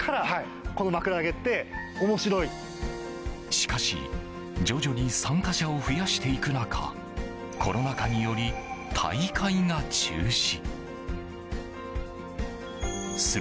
しかし、徐々に参加者を増やしていく中コロナ禍により大会が中止。